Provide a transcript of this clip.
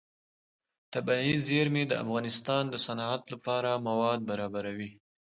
طبیعي زیرمې د افغانستان د صنعت لپاره مواد برابروي.